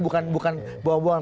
bukan bukan buang buang